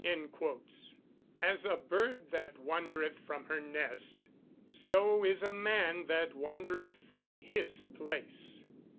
[Verse: "As a bird that wandereth from her nest; so is a man that wandereth from his place."